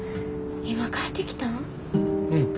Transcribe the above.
今帰ってきたん？